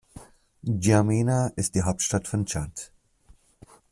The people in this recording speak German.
N’Djamena ist die Hauptstadt von Tschad.